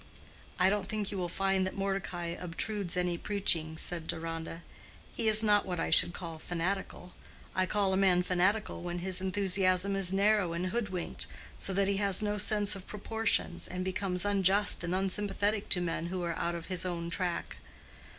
"I don't think you will find that Mordecai obtrudes any preaching," said Deronda. "He is not what I should call fanatical. I call a man fanatical when his enthusiasm is narrow and hoodwinked, so that he has no sense of proportions, and becomes unjust and unsympathetic to men who are out of his own track.